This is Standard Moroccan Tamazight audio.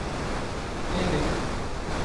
ⵉⵏⵉ